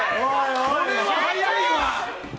これは早いわ！